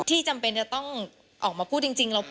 จำเป็นจะต้องออกมาพูดจริง